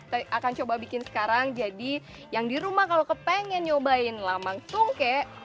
kita akan coba bikin sekarang jadi yang di rumah kalau kepengen nyobain lamang tungke